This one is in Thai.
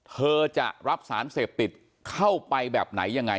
เธอจะรับสารเสพติดเข้าไปแบบไหนยังไง